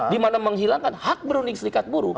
di mana menghilangkan hak berunding silikat buruk